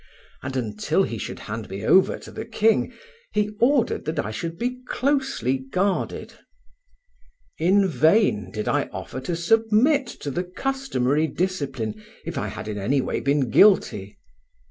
And until he should hand me over to the king, he ordered that I should be closely guarded. In vain did I offer to submit to the customary discipline if I had in any way been guilty.